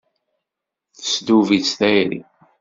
Tesdub-itt tayri.